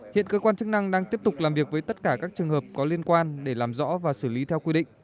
hiện cơ quan chức năng đang tiếp tục làm việc với tất cả các trường hợp có liên quan để làm rõ và xử lý theo quy định